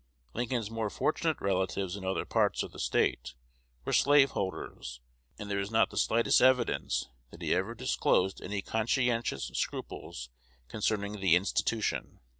Lincoln's more fortunate relatives in other parts of the State were slaveholders; and there is not the slightest evidence that he ever disclosed any conscientious scruples concerning the "institution."